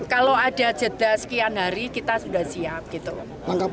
kalau ada jeda sekian hari kita sudah siap gitu